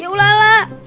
ya udah lah